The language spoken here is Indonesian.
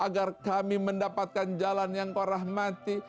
agar kami mendapatkan jalan yang korah mati